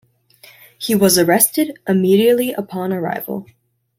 He was arrested immediately upon arrival.